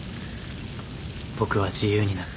僕は自由になった。